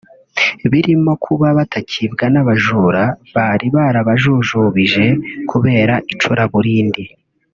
birimo kuba batakibwa n’abajura bari barabajujubije kubera icuraburindi